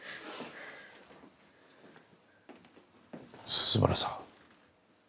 鈴村さん。